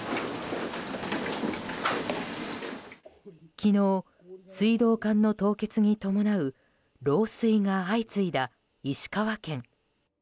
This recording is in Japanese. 昨日、水道管の凍結に伴う漏水が相次いだ石川県。